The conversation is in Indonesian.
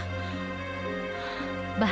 aku berpikir abah